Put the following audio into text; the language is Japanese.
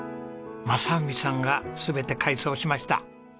正文さんが全て改装しました。